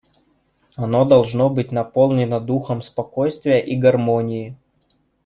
Оно должно быть наполнено духом спокойствия и гармонии.